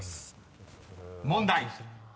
［問題］